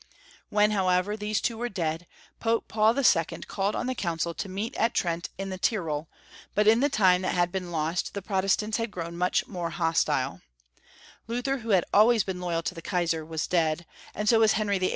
When, however, these two were dead, Pope Paul II. called on the Council to meet at Trent in 2b9 290 Young Folks' History of Qermany. the Tyrol, but in the time that had been lost the Protestants had grown much more hostile. Luther, who had always been loyal to the Kaisar, was dead, and so was Henry VIII.